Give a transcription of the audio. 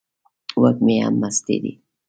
وږمې هم مستې دي